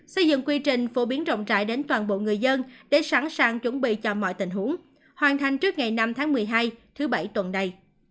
xây dựng quy trình phổ biến rộng rãi đến toàn bộ người dân để sẵn sàng chuẩn bị cho mọi tình huống hoàn thành trước ngày năm tháng một mươi hai thứ bảy tuần đây